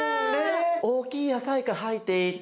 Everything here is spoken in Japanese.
大きい野菜が入っていて。